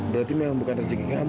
berarti memang bukan rezeki kami